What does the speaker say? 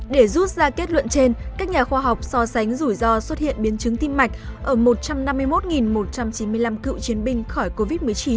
để rút ra kết luận trên các nhà khoa học so sánh rủi ro xuất hiện biến chứng tim mạch ở một trăm năm mươi một một trăm chín mươi năm cựu chiến binh khỏi covid một mươi chín